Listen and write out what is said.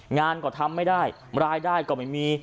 งานก็ทำไม่ได้รายได้ก็ไม่มี